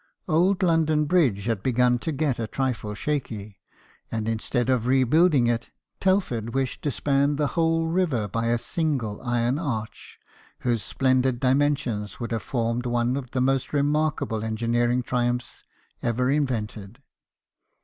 Old London Bridge had begun to get a trifle shaky ; and instead of rebuilding it, Telford wished to span the whole 22 BIOGRAPHIES OF WORKING MEN. river by a single iron arch, whose splendid dimensions would have formed one of the most remarkable engineering triumphs ever invented.